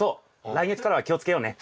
来月からは気をつけようね。